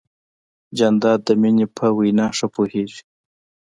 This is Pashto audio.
جانداد د مینې په وینا ښه پوهېږي.